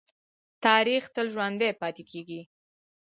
تاریخ تل ژوندی پاتې کېږي.